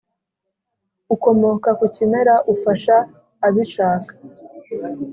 ikomoka ku kimera ufasha abishaka